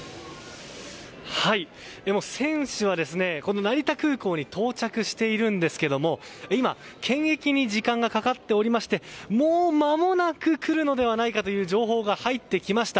選手は、この成田空港に到着しているんですけれども今、検疫に時間がかかっておりましてもうまもなく来るのではないかという情報が入ってきました。